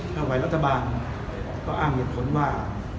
ถ้าฝ่ายรัฐบาลก็อ้างเหตุผลว่า